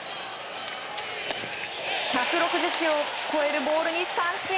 １６０キロを超えるボールに三振。